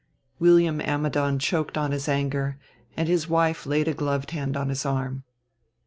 William Ammidon choked on his anger, and his wife laid a gloved hand on his arm.